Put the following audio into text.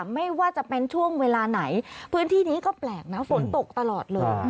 ไม่ว่าจะเป็นช่วงเวลาไหนพื้นที่นี้ก็แปลกนะฝนตกตลอดเลย